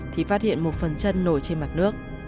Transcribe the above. thì phát hiện một phần chân nổi trên mặt nước